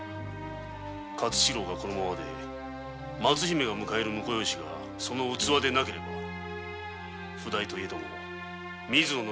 勝四郎がこのままで松姫が迎える婿養子がその器でなければ譜代の水野といえども切り捨てる。